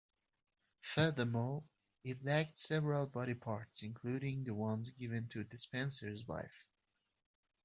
Furthermore, it lacked several body parts, including the ones given to Despenser's wife.